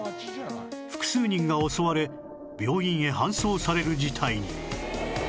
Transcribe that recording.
複数人が襲われ病院へ搬送される事態に